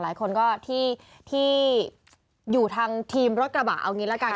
หลายคนก็ที่อยู่ทางทีมรถกระบะเอางี้ละกัน